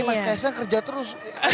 mas kaisa kerja terus